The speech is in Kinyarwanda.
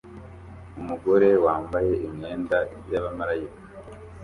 Umugore wambaye imyenda y'abamarayika